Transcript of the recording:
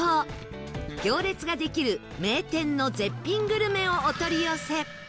行列ができる名店の絶品グルメをお取り寄せ